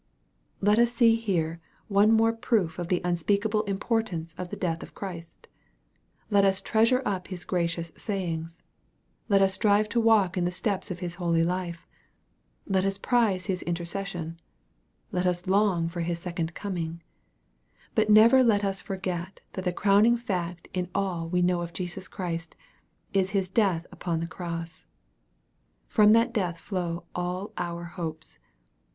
Let us see here one more proof of the unspeakable importance of the death of Christ. Let us treasure up His gracious sayings. Let us strive to walk in the steps of His holy life. Let us prize His intercession. Let us long for his second coming. But never let us forget that the crowning fact in all we know of Jesus Christ, is His death upon the cross. From that death flow all our hopes.